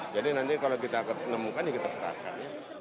jadi nanti kalau kita nemukan ya kita serahkan